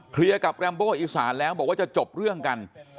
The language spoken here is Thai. กับแรมโบอีสานแล้วบอกว่าจะจบเรื่องกัน